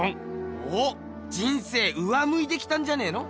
おっ人生上むいてきたんじゃねえの？